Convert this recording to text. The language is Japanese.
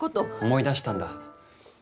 思い出したんだ。